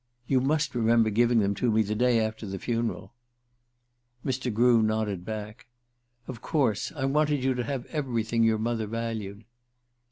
"You must remember giving them to me the day after the funeral." Mr. Grew nodded back. "Of course. I wanted you to have everything your mother valued."